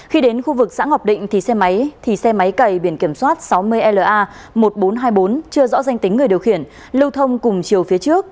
khi đến khu vực xã ngọc định thì xe máy thì xe máy cày biển kiểm soát sáu mươi la một nghìn bốn trăm hai mươi bốn chưa rõ danh tính người điều khiển lưu thông cùng chiều phía trước